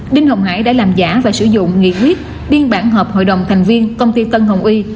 đinh hồng hải đã làm giả và sử dụng nghị quyết biên bản hợp hội đồng thành viên công ty tân hồng y